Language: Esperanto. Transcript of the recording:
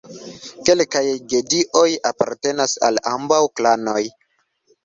Kelkaj gedioj apartenas al ambaŭ klanoj.